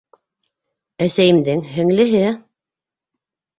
Әсәйемдең һеңлеһе!